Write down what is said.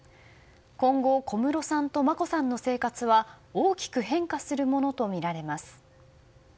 今後小室さんと眞子さんの生活は大きく変化するものとみられます。